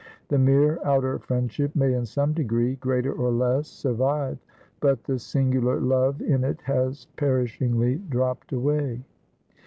The mere outer friendship may in some degree greater or less survive; but the singular love in it has perishingly dropped away.